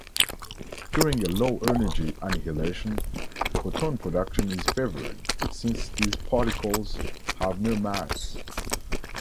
During a low-energy annihilation, photon production is favored, since these particles have no mass.